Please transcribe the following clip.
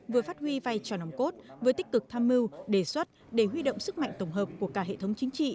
vừa phát huy vai trò nòng cốt vừa tích cực tham mưu đề xuất để huy động sức mạnh tổng hợp của cả hệ thống chính trị